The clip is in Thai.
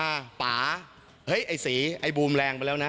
ป่าเฮ้ยไอ้สีไอ้บูมแรงไปแล้วนะ